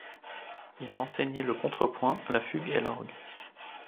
Il a enseigné le contrepoint, la fugue et l'orgue.